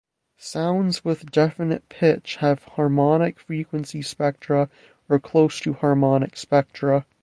Sounds with definite pitch have harmonic frequency spectra or close to harmonic spectra.